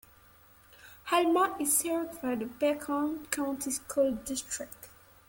Alma is served by the Bacon County School District.